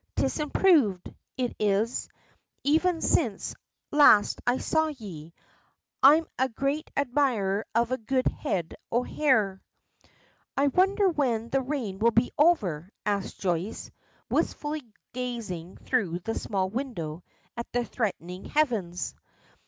'Tis improved, it is; even since last I saw ye. I'm a great admirer of a good head o' hair." "I wonder when will the rain be over?" asks Joyce, wistfully gazing through the small window at the threatening heavens.